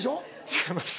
違います。